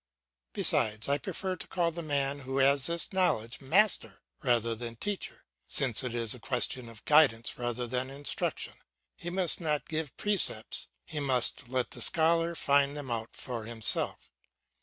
Besides, I prefer to call the man who has this knowledge master rather than teacher, since it is a question of guidance rather than instruction. He must not give precepts, he must let the scholar find them out for himself.